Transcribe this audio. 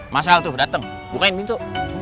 mas al tuh dateng bukain pintu